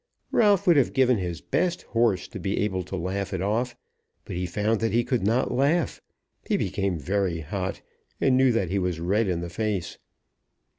Ralph would have given his best horse to be able to laugh it off, but he found that he could not laugh. He became very hot, and knew that he was red in the face.